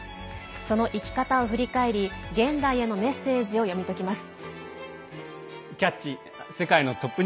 その生き方を振り返り現代へのメッセージを読み解きます。